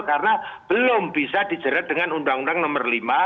karena belum bisa dijerat dengan undang undang nomor lima